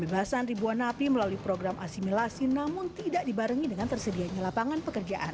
dengan jumlah karyawan dua ratus dua puluh sembilan tujuh ratus delapan puluh sembilan orang di phb